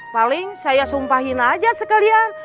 paling saya sumpahin aja sekalian